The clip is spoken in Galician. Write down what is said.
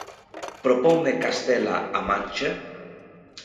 ¿Proponme Castela-A Mancha?